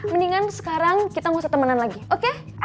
mendingan sekarang kita ngusah temenan lagi oke